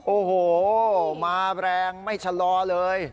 โอ้โหมาแรงไม่ชะลอเลย